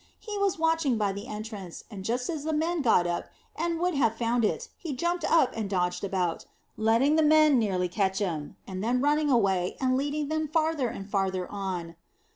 He was watching by the entrance, and just as the men got up, and would have found it, he jumped up and dodged about, letting the men nearly catch him, and then running away and leading them farther and farther on."